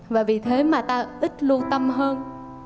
và vì thế mà ta ít lưu tâm hơn